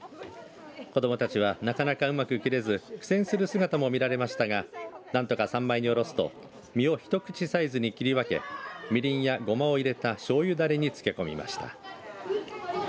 子どもたちはなかなかうまく切れず苦戦する姿も見られましたが何とか３枚におろすと身を一口サイズに切り分けみりんやごまを入れたしょうゆだれに漬け込みました。